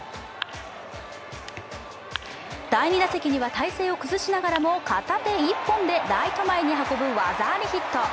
第２打席には体勢を崩しながらも片手一本でライト前に運ぶ技ありヒット。